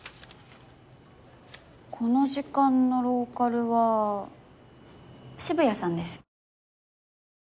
この時間のローカルは渋谷さんです。